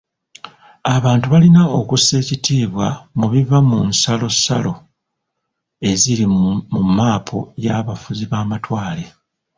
Abantu balina okussa ekitiibwa mu binaava mu nsalosalo eziri mu mmaapu y'abafuzi b'amatwale.